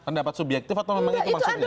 pendapat subjektif atau memang itu maksudnya